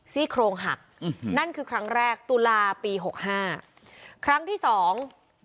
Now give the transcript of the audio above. ซี่โครงหักอืมนั่นคือครั้งแรกตุลาปีหกห้าครั้งที่สอง